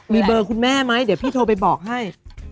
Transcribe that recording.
มีเบอร์คุณแม่ไหมเดี๋ยวพี่โทรไปบอกให้